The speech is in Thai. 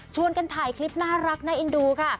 ชวนกันถ่ายคลิปน่ารักในอินดูค่ะ